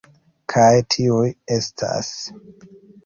Kaj tiuj estas...